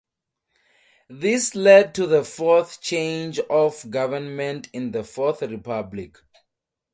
This led to the fourth change of government in the Fourth Republic.